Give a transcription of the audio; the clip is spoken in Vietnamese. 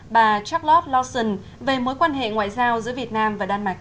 bà charlotte lawson về mối quan hệ ngoại giao giữa việt nam và đan mạch